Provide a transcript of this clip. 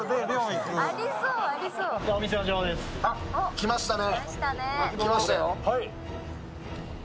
来ましたね。